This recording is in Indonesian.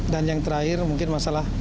dan yang terakhir mungkin masalah